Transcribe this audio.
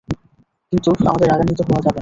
কিন্তু আমাদের রাগান্বিত হওয়া যাবে না।